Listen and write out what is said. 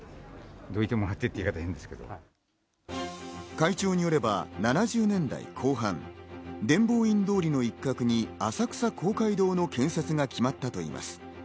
会長によれば７０年代後半、伝法院通りの一角に浅草公会堂の建設が決まったといいます。